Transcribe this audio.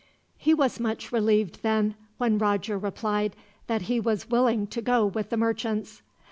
He was much relieved then, when Roger replied that he was willing to go with the merchants.